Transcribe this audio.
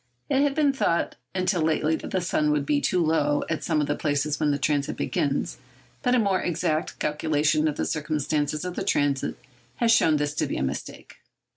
It had been thought until lately that the sun would be too low at some of the places when the transit begins, but a more exact calculation of the circumstances of the transit has shown this to be a mistake.